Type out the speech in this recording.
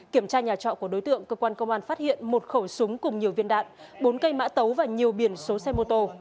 kiểm tra nhà trọ của đối tượng cơ quan công an phát hiện một khẩu súng cùng nhiều viên đạn bốn cây mã tấu và nhiều biển số xe mô tô